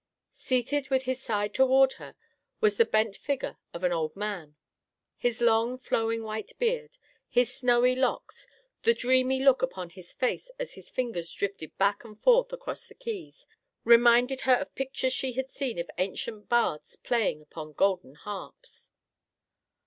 Seated with his side toward her, was the bent figure of an old man. His long, flowing white beard, his snowy locks, the dreamy look upon his face as his fingers drifted back and forth across the keys, reminded her of pictures she had seen of ancient bards playing upon golden harps.